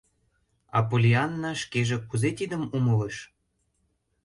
— А Поллианна... шкеже кузе тидым умылыш?